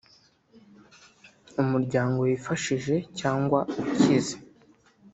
umuryango wifashije cyangwa ukize